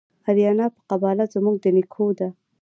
آریانا په قباله زموږ د نیکو ده